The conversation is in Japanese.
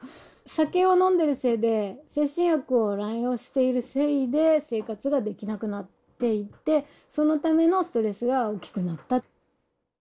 酒を飲んでるせいで精神薬を乱用しているせいで生活ができなくなっていってそのためのストレスが大きくなった。